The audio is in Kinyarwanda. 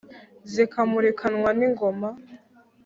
Zikamurikanwa n’ingoma,